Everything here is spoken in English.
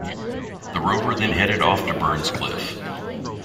The rover then headed off to Burns Cliff.